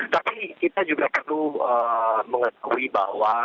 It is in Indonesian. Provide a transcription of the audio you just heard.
tapi kita juga perlu mengetahui bahwa